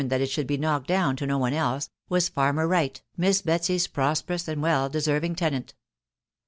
that it aherikl be knocked down to no one else, was farmer Wright, Miss Betsy's prosperous and well deserving tenant.